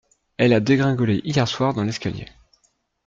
Elle a dégringolé hier soir dans l'escalier.